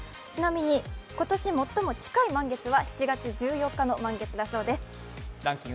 ちなみに、今年最も近い満月は７月１４日の満月だそうです。